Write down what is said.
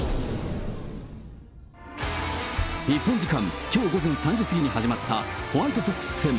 日本時間きょう午前３時過ぎに始まったホワイトソックス戦。